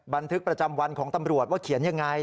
บันทึกประจำวันของตำรวจว่าเขียนยังไง